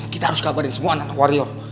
kita harus kabarin semua anak warrior